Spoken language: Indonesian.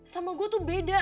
sama gue tuh beda